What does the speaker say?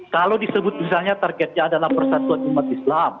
kalau disebut misalnya targetnya adalah persatuan umat islam